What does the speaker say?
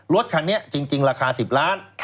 รถคันนี้จริงราคา๑๐ล้าน